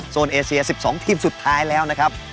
เอเซีย๑๒ทีมสุดท้ายแล้วนะครับ